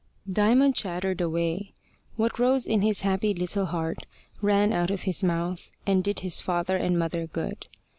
Diamond chattered away. What rose in his happy little heart ran out of his mouth, and did his father and mother good.